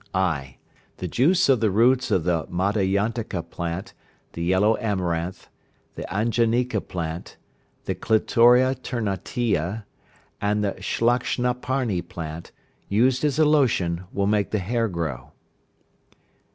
(i). The juice of the roots of the madayantaka plant, the yellow amaranth, the anjanika plant, the clitoria ternateea, and the shlakshnaparni plant, used as a lotion, will make the hair grow.